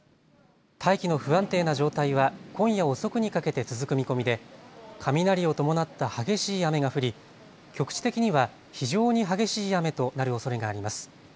大気の不安定な状態は今夜遅くにかけて続く見込みで雷を伴った激しい雨が降り局地的には非常に激しい雨となるおそれがあります。